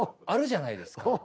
あるじゃないですか。